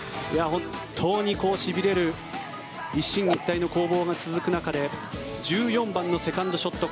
本当にしびれる一進一退の攻防が続く中で１４番のセカンドショット